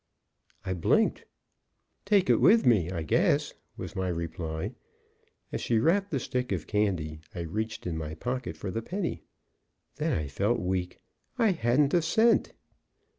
I blinked. "Take it with me, I guess," was my reply. As she wrapped the stick of candy, I reached in my pocket for the penny. Then I felt weak; I hadn't a cent.